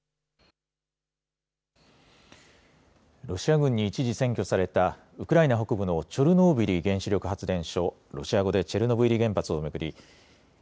ロシア軍に一時占拠されたウクライナ北部のチョルノービリ原子力発電所、ロシア語でチェルノブイリ原発を巡り